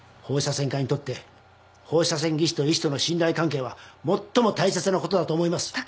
放射線科にとって放射線技師と医師との信頼関係は最も大切なことだと思います。